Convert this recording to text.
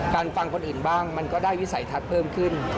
ฟังคนอื่นบ้างมันก็ได้วิสัยทัศน์เพิ่มขึ้น